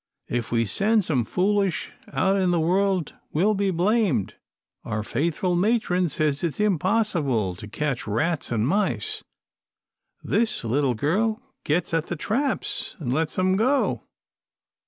If we sends 'em foolish out in the world we'll be blamed. Our faithful matron says it's unpossible to ketch rats an' mice. This little girl gets at the traps, an' let's 'em go.